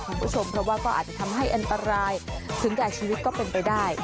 คุณผู้ชมเพราะว่าก็อาจจะทำให้อันตรายถึงแก่ชีวิตก็เป็นไปได้